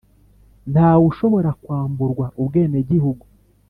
Ntawe ushobora kwamburwa ubwenegihugu